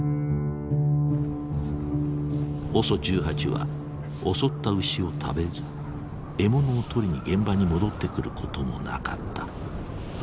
ＯＳＯ１８は襲った牛を食べず獲物を取りに現場に戻ってくることもなかった。